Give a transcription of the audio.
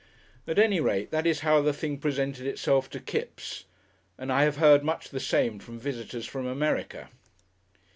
At any rate, that is how the thing presented itself to Kipps, and I have heard much the same from visitors from America.